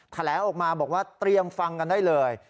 แถลงออกมาบอกว่าเตรียมฟังกันได้เลย